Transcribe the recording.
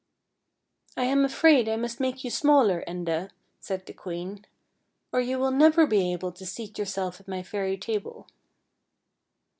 " I am afraid I must make you smaller, Enda," said the queen, " or you will never be able to seat yourself at my fairy table."